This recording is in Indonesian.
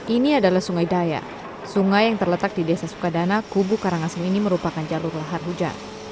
ini adalah sungai daya sungai yang terletak di desa sukadana kubu karangasem ini merupakan jalur lahar hujan